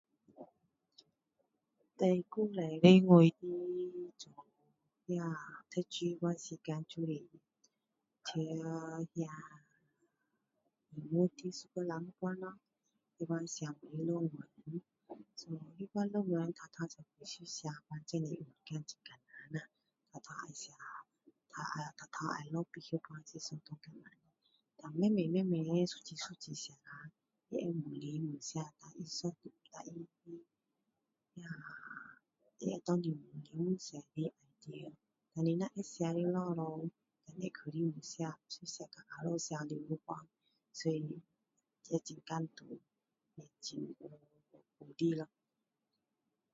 最鼓励我的那读书的那时间就是在那英国的苏格兰那时咯那时写论文so那时论文头头刚开始写真的有一点很难啦头头要写头头要落笔那时是非常难丹慢慢慢慢一字一字写啦他会越来越写丹他会他他那他会给你越来越多idea丹你若会写的下了丹你会了你会越写到后面写完掉这会很感动也很鼓励咯